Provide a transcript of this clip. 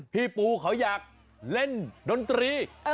พี่ปูเขาอยากเล่นดนตรี